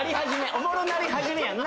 おもろなり始めやんな。